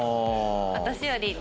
私より。